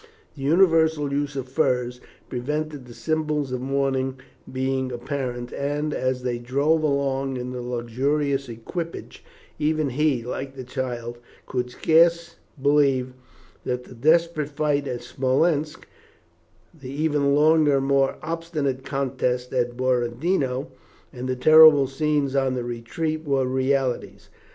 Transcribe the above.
The universal use of furs prevented the symbols of mourning being apparent, and, as they drove along in the luxurious equipage, even he, like the child, could scarce believe that the desperate fight at Smolensk, the even longer and more obstinate contest at Borodino, and the terrible scenes on the retreat, were realities.